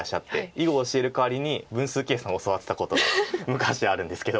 囲碁を教えるかわりに分数計算教わってたことが昔あるんですけど。